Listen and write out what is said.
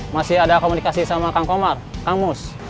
masih ada komunikasi sama kang komar kang mus